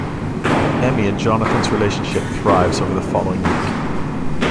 Emmy and Jonathan's relationship thrives over the following week.